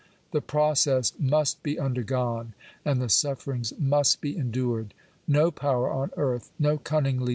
The process must be undergone, and the suf I ferings must be endured. No power on earth, no cunningly